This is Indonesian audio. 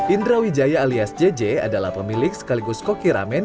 indra wijaya alias jj adalah pemilik sekaligus koki ramen